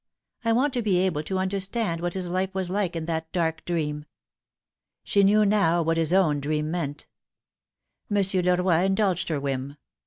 I want to be able to understand what his life was like in that dark dream." She knew now what his own dream meant. Monsieur Leroy indulged her whim.